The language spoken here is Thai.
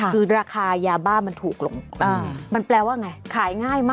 คือราคายาบ้ามันถูกลงมันแปลว่าไงขายง่ายมาก